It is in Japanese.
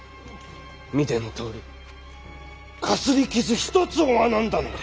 見てのとおりかすり傷一つ負わなんだので。